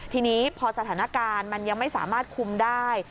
ทีนี้พอสถานการณ์มันยังไม่สามารถคุมได้